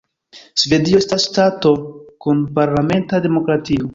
Svedio estas ŝtato kun parlamenta demokratio.